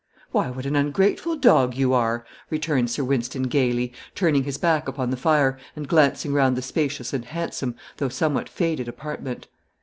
"Why what an ungrateful dog you are!" returned Sir Wynston, gaily, turning his back upon the fire, and glancing round the spacious and handsome, though somewhat faded apartment.